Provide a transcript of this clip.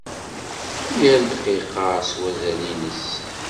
Yal ddqiqa s wazal-nnes.